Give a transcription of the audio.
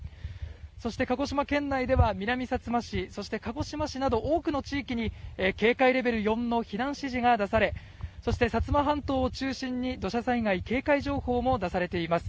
そして、鹿児島県内では南さつま市そして鹿児島市など多くの地域に警戒レベル４の避難指示が出されそして、薩摩半島を中心に土砂災害警戒情報も出されています。